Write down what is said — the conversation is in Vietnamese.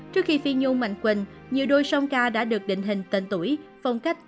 trước khi phi nhung mạnh quỳnh nhiều đôi sông ca đã được định hình tên tuổi phong cách